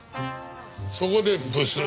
そこでブスッ。